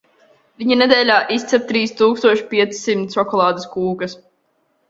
Viņa nedēļā izcep trīs tūkstoš piecsimt šokolādes kūkas.